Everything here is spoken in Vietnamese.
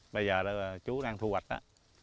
bây giờ là chú đang thu hoạch đó